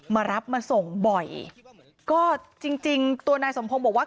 มารับมาส่งบ่อยก็จริงจริงตัวนายสมพงศ์บอกว่า